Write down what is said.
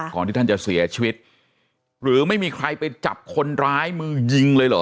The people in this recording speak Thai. ที่ท่านจะเสียชีวิตหรือไม่มีใครไปจับคนร้ายมือยิงเลยเหรอ